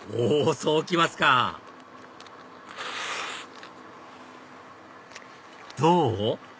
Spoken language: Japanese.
そうきますかどう？